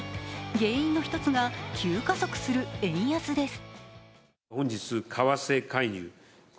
原因の一つが急加速する円安です。